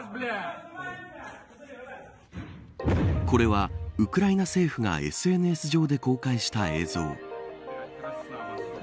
これは、ウクライナ政府がＳＮＳ上で公開した映像。